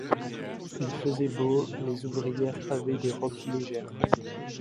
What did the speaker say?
Il faisait beau, les ouvrières avaient des robes légères.